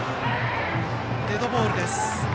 デッドボールです。